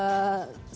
semua yang ikut